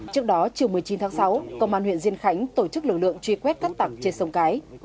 trước đó chiều một mươi chín tháng sáu công an huyện diên khánh tổ chức lực lượng truy quét cắt tặc trên sông cái